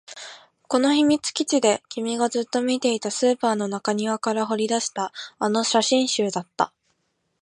この秘密基地で君がずっと見ていた、スーパーの中庭から掘り出したあの写真集だった